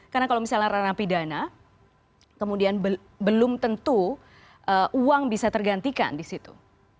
karena kalau misalnya ranah pidana kemudian belum tentu uang bisa tergantikan di situ